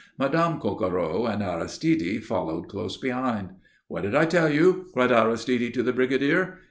Madame Coquereau and Aristide followed close behind. "What did I tell you?" cried Aristide to the brigadier.